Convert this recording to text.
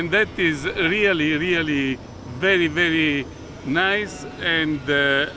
dan itu benar benar sangat bagus